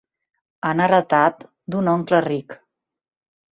Han heretat d'un oncle ric.